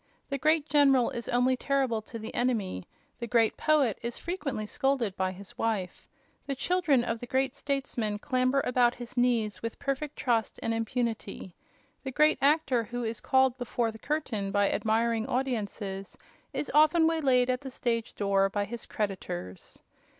The great general is only terrible to the enemy; the great poet is frequently scolded by his wife; the children of the great statesman clamber about his knees with perfect trust and impunity; the great actor who is called before the curtain by admiring audiences is often waylaid at the stage door by his creditors.